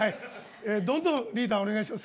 どんどんリーダーお願いします。